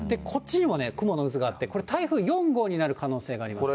こっちでも雲の渦があって、これ、台風４号になる可能性があります。